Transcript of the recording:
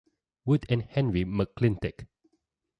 Wood and Henry McClintick.